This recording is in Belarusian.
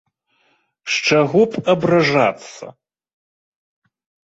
З чаго б абражацца?